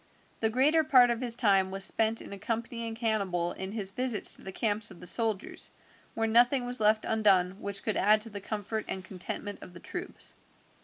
The greater part of his time was spent in accompanying Hannibal in his visits to the camps of the soldiers, where nothing was left undone which could add to the comfort and contentment of the troops.